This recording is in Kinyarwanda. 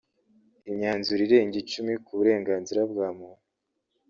imyanzuro irenga icumi ku burenganzira bwa muntu